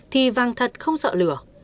thì văng thật không sợ lửa